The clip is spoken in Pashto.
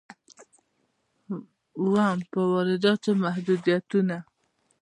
اووم: په وارداتو محدودیتونه.